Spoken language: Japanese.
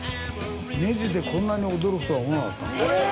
ネジでこんなに驚くとは思わなかった。